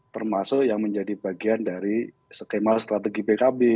termasuk yang menjadi bagian dari skema strategi pkb